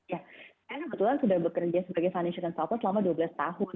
ya saya kebetulan sudah bekerja sebagai financial and solver selama dua belas tahun